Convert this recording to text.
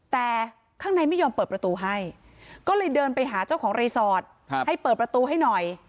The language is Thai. แต่ข้างในไม่ยอมเปิดประตูให้ก็เลยเดินไปหาเจ้าของรีสอร์ทให้เปิดประตูให้หน่อย